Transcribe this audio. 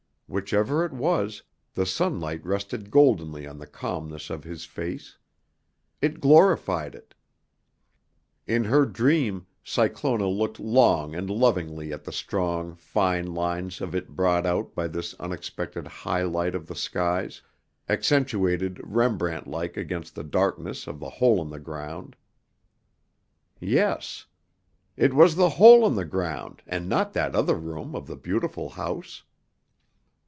Whichever it was, the sunlight rested goldenly on the calmness of his face. It glorified it. In her dream, Cyclona looked long and lovingly at the strong, fine lines of it brought out by this unexpected high light of the skies, accentuated Rembrandt like against the darkness of the hole in the ground. Yes. It was in the hole in the ground and not that other room of the Beautiful House.